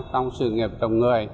trong sự nghiệp tổng người